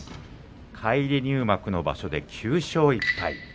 返り入幕の場所で９勝１敗。